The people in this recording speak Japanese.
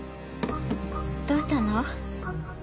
どうしたの？